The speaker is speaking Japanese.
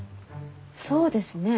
そうですね。